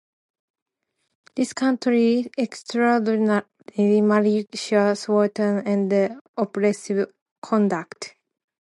This constitutes 'extraordinary, malicious, wanton, and oppressive conduct.